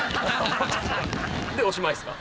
でおしまいですか？